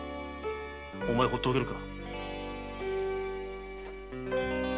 お前ほうっておけるか？